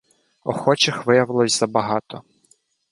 Охочих виявилося забагато.